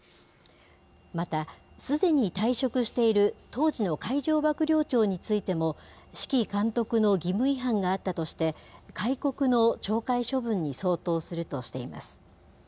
また、すでに退職している当時の海上幕僚長についても、指揮監督の義務違反があったとして、戒告の懲戒処分に相当するとしています。